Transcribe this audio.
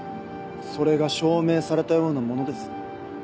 それが証明されたようなものです。